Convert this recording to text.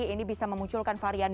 ini bisa memunculkan varian